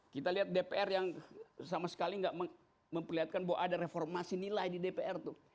kita lihat dpr yang sama sekali nggak memperlihatkan bahwa ada reformasi nilai di dpr tuh